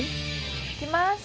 いきます。